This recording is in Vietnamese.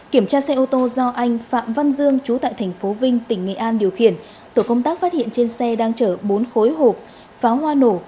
kiểm tra xe ô tô do anh phạm văn dương trú tại tp vinh tỉnh nghệ an điều khiển tổ công tác phát hiện trên xe đang chở bốn khối hộp pháo hoa nổ